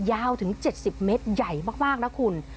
ยาวถึง๗๐เมตรใหญ่มากนะคุณ